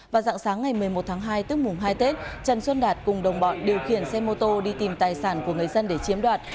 vào dạng sáng ngày một mươi một tháng hai tức mùng hai tết trần xuân đạt cùng đồng bọn điều khiển xe mô tô đi tìm tài sản của người dân để chiếm đoạt